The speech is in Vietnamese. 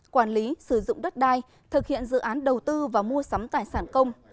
quản lý sử dụng đất đai thực hiện dự án đầu tư và mua sắm tài sản công